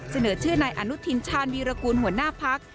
เสนอชื่อนายอนุทินชาญวีรกูลหัวหน้าพัก